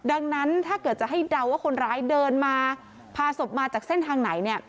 ดังนั้นถ้าเกิดจะให้เดาว่าคนร้ายเดินมาพาศพมาจากเส้นทางไหนเนี่ย